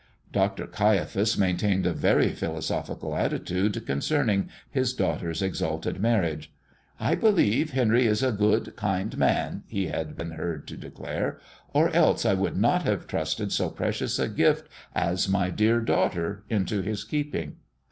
Dr. Caiaphas maintained a very philosophical attitude concerning his daughter's exalted marriage. "I believe Henry is a good, kind man," he had been heard to declare, "or else I would not have trusted so precious a gift as my dear daughter into his keeping."